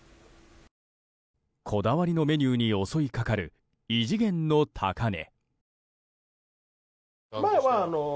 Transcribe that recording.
こだわりのメニューに襲いかかる異次元の高値。